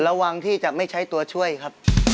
ระวังที่จะไม่ใช้ตัวช่วยครับ